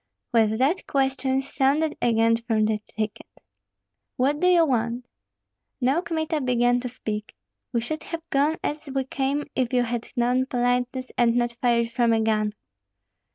With that questions sounded again from the thicket. "What do you want?" Now Kmita began to speak. "We should have gone as we came if you had known politeness and not fired from a gun."